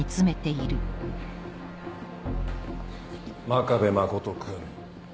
真壁誠君。